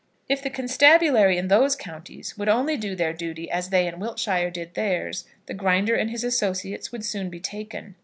If the constabulary in those counties would only do their duty as they in Wiltshire did theirs, the Grinder and his associates would soon be taken.